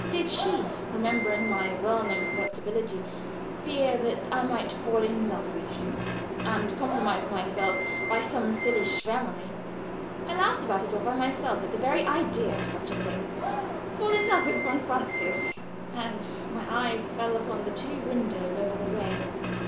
Did she, remembering my well known susceptibility, fear that I might fall in love with him and compromise myself by some silly Schwärmerei? I laughed about all by myself at the very idea of such a thing. Fall in love with von Francius, and my eyes fell upon the two windows over the way.